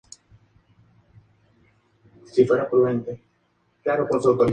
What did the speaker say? Este permitió que colocaran su imagen en el periódico local de Nueva Jersey.